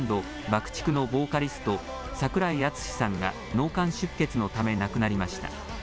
ーＴＩＣＫのボーカリスト、櫻井敦司さんが脳幹出血のため亡くなりました。